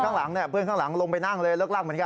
ช่วยละกูอีกหนึ่ง